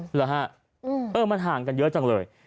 เหรอฮะเออมันห่างกันเยอะจังเลย